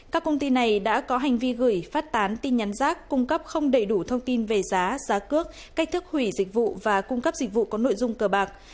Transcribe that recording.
các công ty này đã có hành vi gửi phát tán tin nhắn rác cung cấp không đầy đủ thông tin về giá giá cước cách thức hủy dịch vụ và cung cấp dịch vụ có nội dung cờ bạc